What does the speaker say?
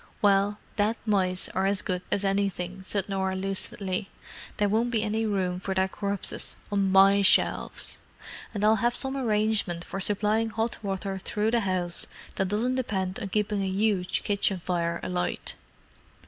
"Well, dead mice are as good as anything," said Norah lucidly. "There won't be any room for their corpses on my shelves. And I'll have some arrangement for supplying hot water through the house that doesn't depend on keeping a huge kitchen fire alight."